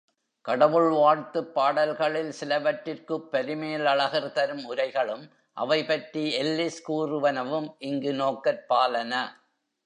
கடவுள் வாழ்த்துப் பாடல்களில் சிலவற்றிற்குப் பரிமேலழகர் தரும் உரைகளும் அவை பற்றி எல்லிஸ் கூறுவனவும் இங்கு நோக்கற்பாலன.